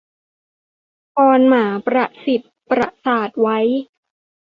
พรหมาประสิทธิ์ประสาทไว้